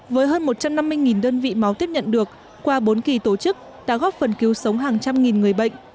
với hơn một trăm năm mươi đơn vị máu tiếp nhận được qua bốn kỳ tổ chức đã góp phần cứu sống hàng trăm nghìn người bệnh